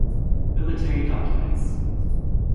Military documents